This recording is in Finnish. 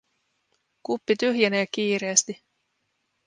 Kuppi tyhjenee kiireesti.